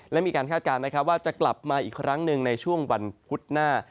และมีการคาดการณ์นะครับว่าจะกลับมาอีกครั้งหนึ่งในช่วงวันพุธหน้า